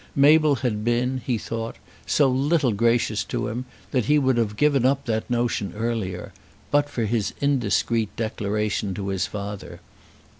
Mabel had been, he thought, so little gracious to him that he would have given up that notion earlier, but for his indiscreet declaration to his father.